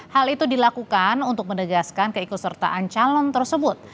hal itu dilakukan untuk menegaskan keikutsertaan calon tersebut